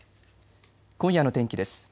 今夜の天気です。